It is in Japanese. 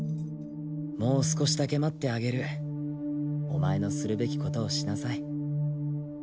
もう少しだけ待ってあげるお前のするべきことをしなさい